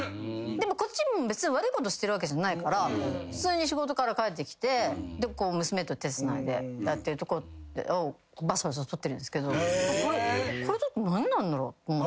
こっちも別に悪いことしてるわけじゃないから普通に仕事から帰ってきて娘と手つないでるところバシバシ撮ってるんですけど何なんだろうと思ったりとか。